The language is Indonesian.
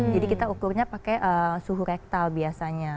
kita ukurnya pakai suhu rektal biasanya